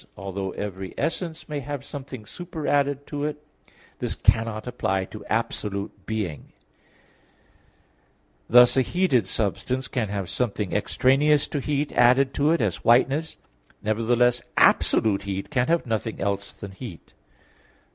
although every essence may have something superadded to it, this cannot apply to absolute being: thus a heated substance can have something extraneous to heat added to it, as whiteness, nevertheless absolute heat can have nothing else than heat.